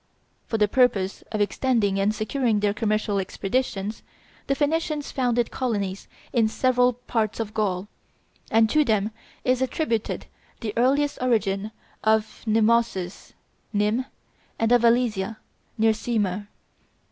For the purpose of extending and securing their commercial expeditions, the Phoenicians founded colonies in several parts of Gaul, and to them is attributed the earliest origin of Nemausus (Nimes), and of Alesia, near Semur.